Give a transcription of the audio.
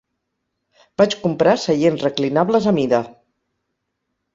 Vaig comprar seients reclinables a mida.